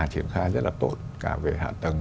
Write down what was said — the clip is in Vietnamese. triển khai rất là tốt cả về hạ tầng